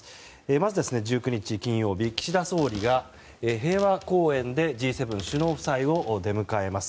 まず、１９日金曜日岸田総理が平和公園でＧ７首脳夫妻を出迎えます。